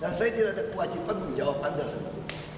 dan saya tidak ada kewajiban menjawab anda semua